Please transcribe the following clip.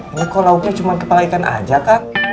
enggak kok lauknya cuma kepala ikan aja kak